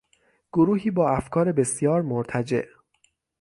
گروهی با افکار بسیار مرتجع